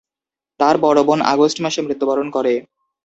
তার বড় বোন আগস্ট মাসে মৃত্যুবরণ করে।